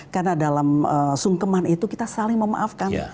karena dalam sungkeman itu kita saling memaafkan